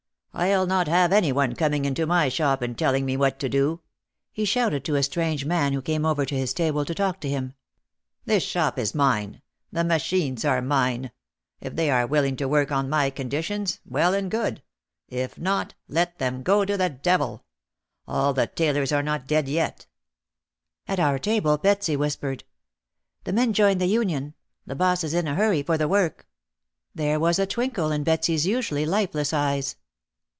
"I'll not have any one coming into my shop and tell ing me what to do," he shouted to a strange man who came over to his table to talk to him. "This shop is mine. The machines are mine. If they are willing to work on my conditions, well and good, if not, let them go to the devil! All the tailors are not dead yet." At our table Betsy whispered : "The men joined the union. The boss is in a hurry for the work." There was a twinkle in Betsy's usually lifeless eyes.